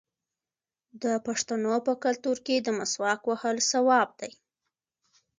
د پښتنو په کلتور کې د مسواک وهل ثواب دی.